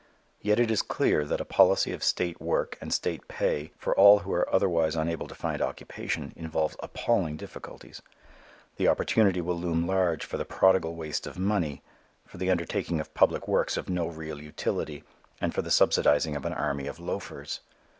Yet it is clear that a policy of state work and state pay for all who are otherwise unable to find occupation involves appalling difficulties. The opportunity will loom large for the prodigal waste of money, for the undertaking of public works of no real utility and for the subsidizing of an army of loafers.